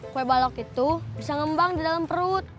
kue balok itu bisa ngembang di dalam perut